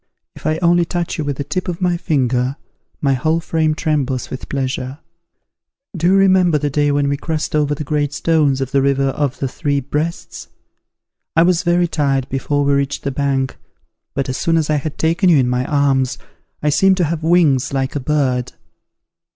If I only touch you with the tip of my finger, my whole frame trembles with pleasure. Do you remember the day when we crossed over the great stones of the river of the Three Breasts? I was very tired before we reached the bank: but, as soon as I had taken you in my arms, I seemed to have wings like a bird.